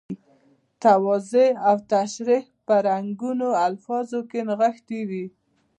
توضیح او تشریح په رنګینو الفاظو کې نغښتي وي.